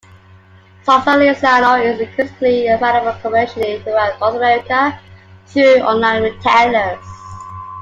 Salsa Lizano is increasingly available commercially throughout North America through online retailers.